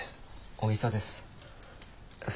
小木曽です。